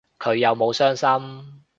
佢有冇傷心